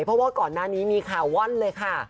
เพราะว่าก่อนหน้านี้มีข่าวว่อนเลยค่ะ